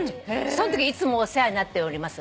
そんときいつもお世話になっております。